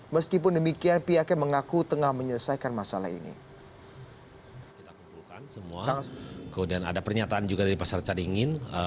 meskipun demikian pihaknya mengaku tengah menyelesaikan masalah ini